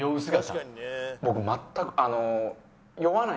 僕全くあの。